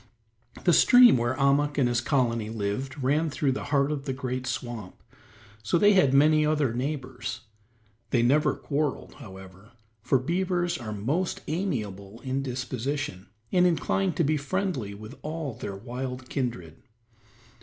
The stream where Ahmuk and his colony lived ran through the heart of the great swamp, so they had many other neighbors; they never quarreled, however, for beavers are most amiable in disposition, and inclined to be friendly with all their wild kindred.